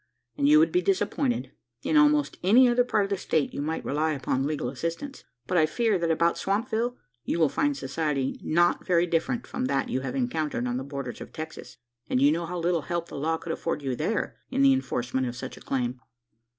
"And you would be disappointed. In almost any other part of the state, you might rely upon legal assistance; but, I fear, that about Swampville you will find society not very different from that you have encountered on the borders of Texas; and you know how little help the law could afford you there, in the enforcement of such a claim?"